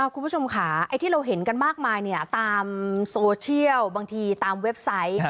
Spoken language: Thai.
คุณผู้ชมค่ะไอ้ที่เราเห็นกันมากมายเนี่ยตามโซเชียลบางทีตามเว็บไซต์